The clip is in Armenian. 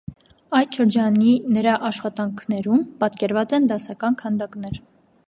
Այդ շրջանի նրա աշխատանքներում պատկերված են դասական քանդակներ։